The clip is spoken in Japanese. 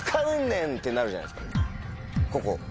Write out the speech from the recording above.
ここ。